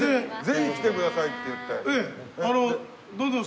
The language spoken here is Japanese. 「ぜひ来てください」って言って。